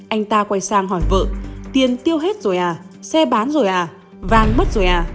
anh ta quay sang hỏi vợ tiền tiêu hết rồi à xe bán rồi à vàng mất rồi à